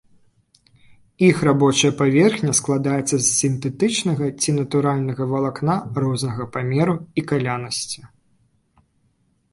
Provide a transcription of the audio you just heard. Іх рабочая паверхня складаецца з сінтэтычнага ці натуральнага валакна рознага памеру і калянасці.